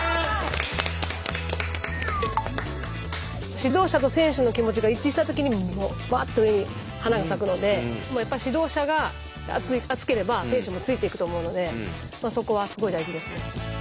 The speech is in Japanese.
指導者と選手の気持ちが一致した時にうわっと上に花が咲くのでやっぱ指導者が熱ければ選手もついていくと思うのでそこはすごい大事ですね。